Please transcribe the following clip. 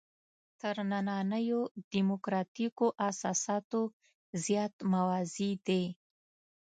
تر نننیو دیموکراتیکو اساساتو زیات موازي دي.